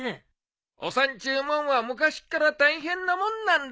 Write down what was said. お産っちゅうもんは昔っから大変なもんなんだ。